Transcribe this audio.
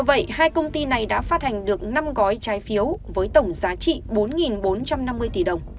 như vậy hai công ty này đã phát hành được năm gói trái phiếu với tổng giá trị bốn bốn trăm năm mươi tỷ đồng